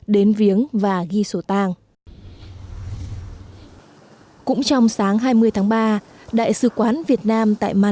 đến với nguyên thủ tướng phan văn khải